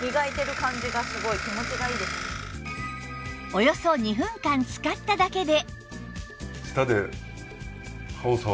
およそ２分間使っただけで